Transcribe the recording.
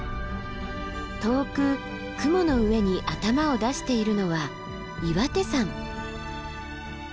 遠く雲の上に頭を出しているのは岩手山。